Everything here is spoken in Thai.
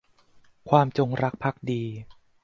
ความจงรักภักดี